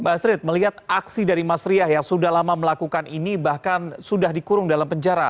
mbak astrid melihat aksi dari mas riah yang sudah lama melakukan ini bahkan sudah dikurung dalam penjara